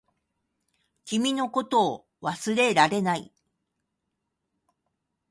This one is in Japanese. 君のことを忘れられない